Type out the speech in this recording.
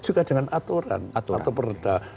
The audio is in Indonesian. juga dengan aturan atau perda